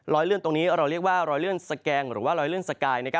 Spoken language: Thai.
เลื่อนตรงนี้เราเรียกว่ารอยเลื่อนสแกงหรือว่ารอยเลื่อนสกาย